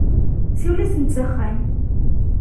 Siwel-asen-d s axxam.